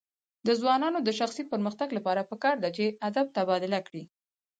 د ځوانانو د شخصي پرمختګ لپاره پکار ده چې ادب تبادله کړي.